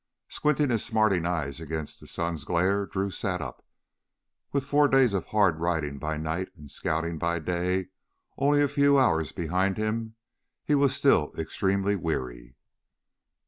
Squinting his smarting eyes against the sun's glare, Drew sat up. With four days of hard riding by night and scouting by day only a few hours behind him, he was still extremely weary.